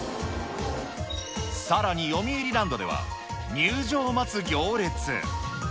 さらによみうりランドでは、入場を待つ行列。